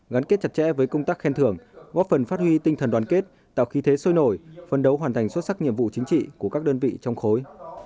gắn kết chặt chẽ với công tác khen thưởng góp phần phát huy tinh thần đoàn kết tạo khí thế sôi nổi phân đấu hoàn thành xuất sắc nhiệm vụ chính trị của các đơn vị trong khối